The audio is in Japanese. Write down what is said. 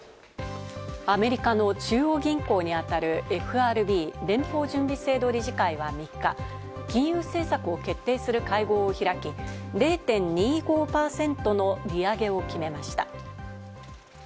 アメリカの中央銀行にあたるＦＲＢ＝連邦準備制度理事会は３日、金融政策を決定する会合を開き、０．２５％の利上げを決めました。